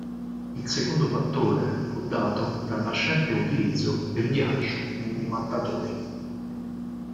Il secondo fattore fu dato dal nascente utilizzo del ghiaccio nei mattatoi.